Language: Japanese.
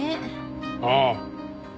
ああ。